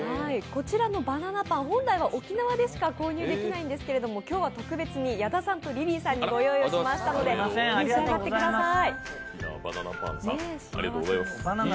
こちらのバナナパン、沖縄でしか購入できないんですけど今日は特別に矢田さんとリリーさんにもご用意したので召し上がってください。